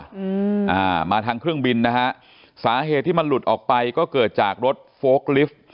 อืมอ่ามาทางเครื่องบินนะฮะสาเหตุที่มันหลุดออกไปก็เกิดจากรถโฟลกลิฟต์